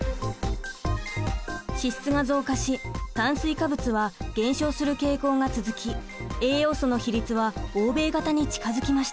脂質が増加し炭水化物は減少する傾向が続き栄養素の比率は欧米型に近づきました。